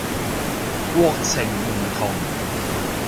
國情唔同